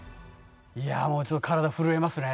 いやもうちょっと体震えますね